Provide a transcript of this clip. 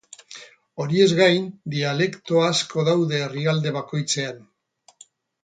Horiez gain, dialekto asko daude herrialde bakoitzean.